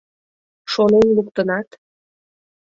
— Шонен луктынат!